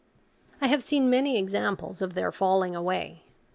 I have seen many examples of their falling away.